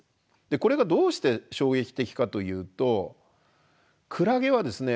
これがどうして衝撃的かというとクラゲはですね